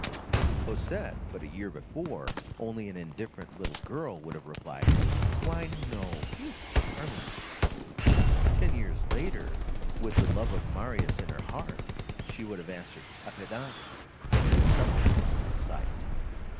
Cosette, but a year before only an indifferent little girl, would have replied: "Why, no, he is charming." Ten years later, with the love of Marius in her heart, she would have answered: "A pedant, and insufferable to the sight!